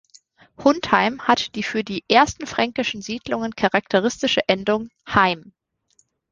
Hundheim hat die für die ersten fränkischen Siedlungen charakteristische Endung –heim.